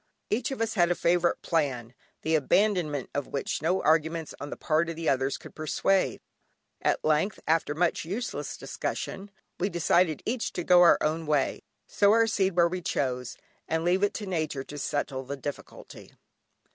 Each of us had a favourite plan, the abandonment of which no arguments on the part of the others could persuade. At length, after much useless discussion, we decided each to go our own way, sow our seed where we chose, and leave it to Nature to settle the difficulty.